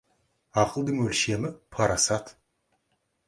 Ақылдың өлшемі — парасат.